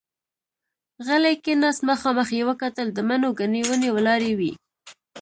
غلی کېناست، مخامخ يې وکتل، د مڼو ګنې ونې ولاړې وې.